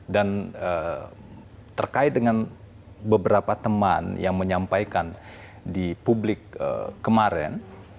terkait dengan beberapa teman yang menyampaikan di publik kemarin